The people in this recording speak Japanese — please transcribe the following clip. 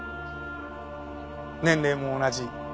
年齢も同じ。